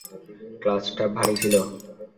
ক্লাচটা ভারি ছিল।